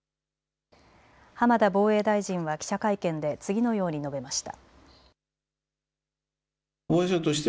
浜田防衛大臣は記者会見で次のように述べました。